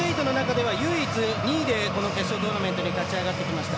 ２位で決勝トーナメントに勝ち上がってきました。